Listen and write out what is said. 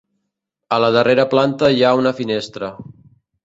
A la darrera planta hi ha una finestra.